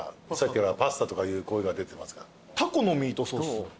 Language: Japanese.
タコのミートソース。